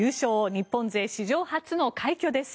日本勢史上初の快挙です。